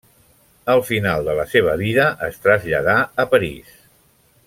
Al final de la seva vida es traslladà a París.